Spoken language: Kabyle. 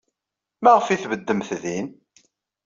Maɣef ay tbeddemt din?